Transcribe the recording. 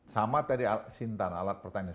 sama tadi sintan alat pertanian